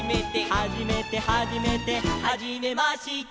「はじめてはじめて」「はじめまして」